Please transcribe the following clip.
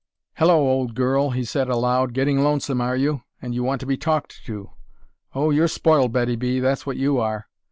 "Hello, old girl!" he said aloud, "getting lonesome, are you, and you want to be talked to. Oh, you're spoiled, Betty B., that's what you are.